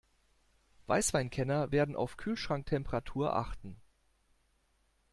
Weißweinkenner werden auf Kühlschranktemperatur achten.